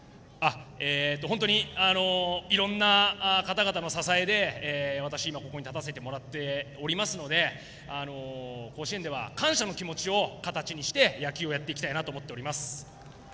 本当にいろいろなかたがたの支えで私、今ここに立たせてもらっておりますので甲子園では感謝の気持ちを形にして野球をやっていきたいと思っています。